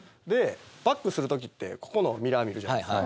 バックする時ってここのミラー見るじゃないですか。